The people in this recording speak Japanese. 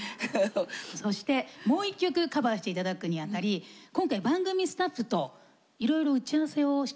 そしてもう一曲カバーして頂くにあたり今回番組スタッフといろいろ打ち合わせをしたんですよね？